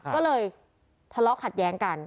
ก็เลยทะเลาะขัดแย้งกัน